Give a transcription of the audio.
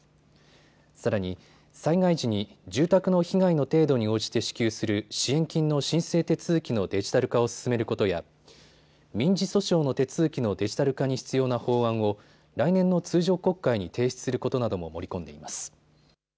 さらに災害時に住宅の被害の程度に応じて支給する支援金の申請手続きのデジタル化を進めることや民事訴訟の手続きのデジタル化に必要な法案を来年の通常国会に提出することなども盛り込んでいます。